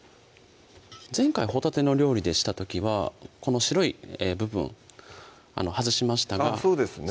前回ほたての料理でした時はこの白い部分外しましたがそうですね